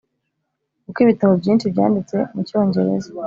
kuko ibitabo byinshi byanditse mu cyongereza.